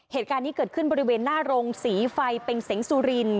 เหตุการณ์นี้เกิดขึ้นบริเวณหน้าโรงศรีไฟเป็งสุริน